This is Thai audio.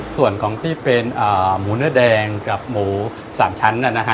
ส่วนของที่เป็นหมูเนื้อแดงกับหมูสามชั้นน่ะนะฮะ